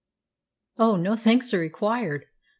"Oh, no thanks are required!